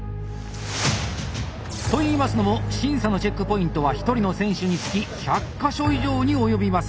といいますのも審査のチェックポイントは１人の選手につき１００か所以上に及びます。